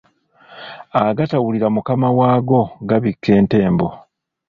Agatawulira mukama waago gabikka entembo.